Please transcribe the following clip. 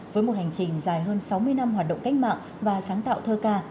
với một hành trình dài hơn sáu mươi năm hoạt động cách mạng và sáng tạo thơ ca